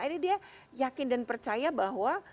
akhirnya dia yakin dan percaya bahwa